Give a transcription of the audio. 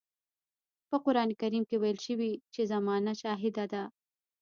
په قرآن کريم کې ويل شوي چې زمانه شاهده ده.